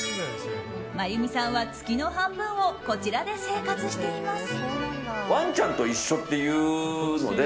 真弓さんは月の半分をこちらで生活しています。